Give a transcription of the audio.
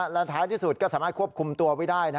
และท้ายที่สุดก็สามารถควบคุมตัวไว้ได้